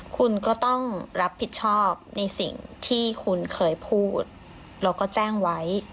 คุณก็ต้องรับผิดชอบในสิ่งที่คุณเคยพูดแล้วก็แจ้งไว้